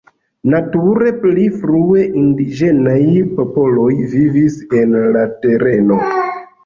Nature pli frue indiĝenaj popoloj vivis en la tereno.